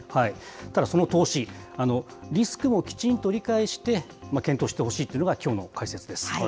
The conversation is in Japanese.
ただ、その投資、リスクもきちんと理解して検討してほしいというのが、きょうの解説です。